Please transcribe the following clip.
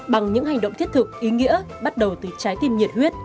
bằng những hành động thiết thực ý nghĩa bắt đầu từ trái tim nhiệt huyết